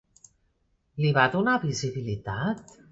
Li va donar visibilitat?